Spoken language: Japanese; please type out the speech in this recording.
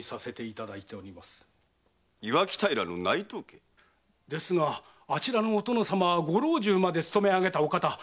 磐城平の内藤家？ですがあちらのお殿様はご老中まで勤め上げたお方。